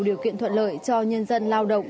điều kiện thuận lợi cho nhân dân lao động